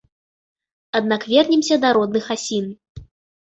Аднак вернемся да родных асін.